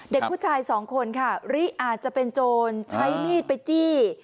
เด็กผู้ชายสองคนค่ะริอาจจะเป็นโจรใช้มีดไปจี้